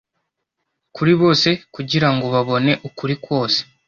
kuri bose kugirango babone ukuri kwose